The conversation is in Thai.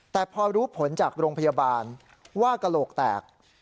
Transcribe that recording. แต่พอรู้ผลจากโรงพยาบาลว่ากระโหลกแตก